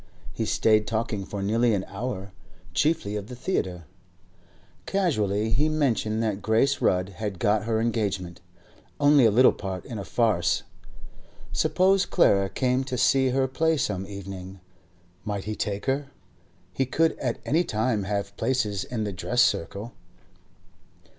He stayed talking for nearly an hour, chiefly of the theatre. Casually he mentioned that Grace Rudd had got her engagement—only a little part in a farce. Suppose Clara came to see her play some evening? Might he take her? He could at any time have places in the dress circle.